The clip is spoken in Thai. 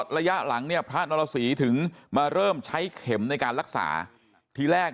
ระยะหลังเนี่ยพระนรสีถึงมาเริ่มใช้เข็มในการรักษาทีแรก